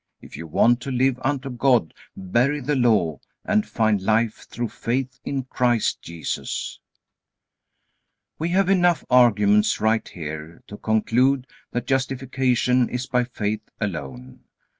If you want to live unto God, bury the Law, and find life through faith in Christ Jesus. We have enough arguments right here to conclude that justification is by faith alone.